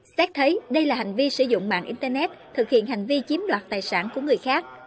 test thấy đây là hành vi sử dụng mạng internet thực hiện hành vi chiếm đoạt tài sản của người khác